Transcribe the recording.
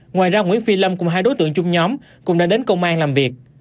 ngoài ra nguyễn phi lâm cùng hai đối tượng chung nhóm cũng đã đến công an làm việc